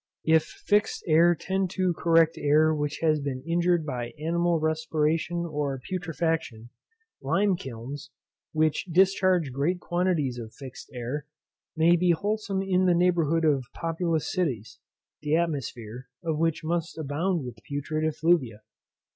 If fixed air tend to correct air which has been injured by animal respiration or putrefaction, lime kilns, which discharge great quantities of fixed air, may be wholesome in the neighbourhood of populous cities, the atmosphere of which must abound with putrid effluvia.